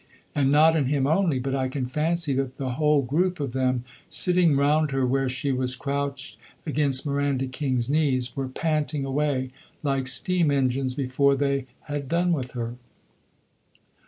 And not in him only, but I can fancy that the whole group of them sitting round her where she was crouched against Miranda King's knees, were panting away like steam engines before they had done with her.